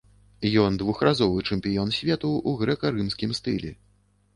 Ён двухразовы чэмпіён свету ў грэка-рымскім стылі.